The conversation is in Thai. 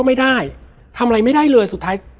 แล้วสักครั้งหนึ่งเขารู้สึกอึดอัดที่หน้าอก